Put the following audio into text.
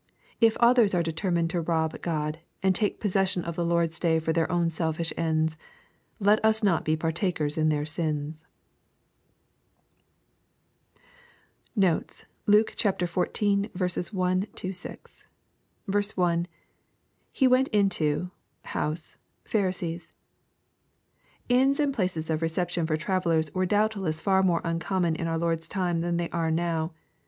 If others are determined to rob God, and take possession of the Lord's day for their own selfish ends, let us not be partakers in their sins. Notes. Luke XIV. 1 — 6. J, — [His went inio...house...Phari8ees.'] Inns and places of reception for travellers were doubtless far more uncommon in our Lord's time tlian they are now.